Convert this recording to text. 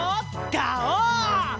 ガオー！